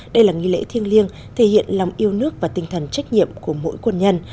đây là nghi lễ thiêng liêng thể hiện lòng yêu nước và tinh thần trách nhiệm của mỗi quân nhân